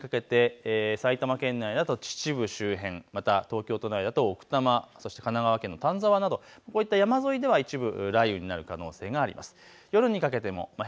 夕方にかけて埼玉県内など秩父周辺、また東京都内だと奥多摩、そして神奈川県の丹沢などこういった山沿いでは一部雷雨になる可能性があります。